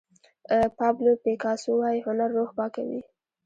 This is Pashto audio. پابلو پیکاسو وایي هنر روح پاکوي.